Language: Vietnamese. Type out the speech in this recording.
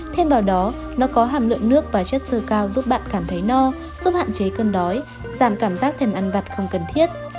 thêm vào đó nó có hàm lượng nước và chất sơ cao giúp bạn cảm thấy no giúp hạn chế cơn đói giảm cảm giác thêm ăn vặt không cần thiết